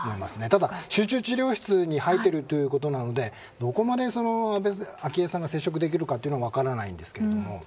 ただ、集中治療室に入ってるということなのでどこまで昭恵さんが接触できるか分からないんですが。